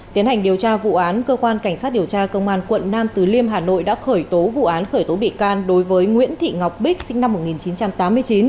tiến hành điều tra vụ án cơ quan cảnh sát điều tra công an quận nam từ liêm hà nội đã khởi tố vụ án khởi tố bị can đối với nguyễn thị ngọc bích sinh năm một nghìn chín trăm tám mươi chín